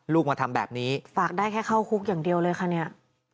ลูกมาทำแบบนี้ฝากได้แค่เข้าคุกอย่างเดียวเลยค่ะเนี่ย